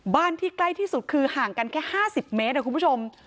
บ้านที่ใกล้ที่สุดคือห่างกันแค่๕๐เมตรคุณผู้ชม